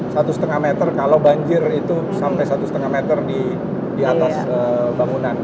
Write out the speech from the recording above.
satu setengah meter kalau banjir itu sampai satu lima meter di atas bangunan